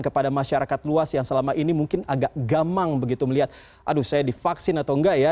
kepada masyarakat luas yang selama ini mungkin agak gamang begitu melihat aduh saya divaksin atau enggak ya